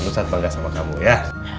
ustadz bangga sama kamu ya